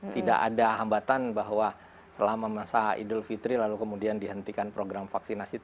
tidak ada hambatan bahwa selama masa idul fitri lalu kemudian dihentikan program vaksinasi